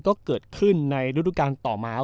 ก็เกิดขึ้นในฤดูการต่อมา